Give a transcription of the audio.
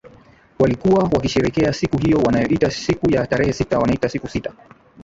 walikuwa wakisherekea siku hiyo wanaoita siku ya tarehe sita wanaiita siku sita